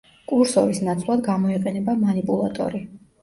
კურსორის ნაცვლად გამოიყენება მანიპულატორი.